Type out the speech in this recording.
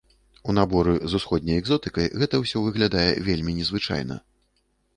У наборы з усходняй экзотыкай гэта ўсе выглядае вельмі незвычайна.